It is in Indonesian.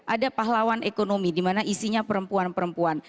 ada pahlawan ekonomi dimana isinya perempuan perempuan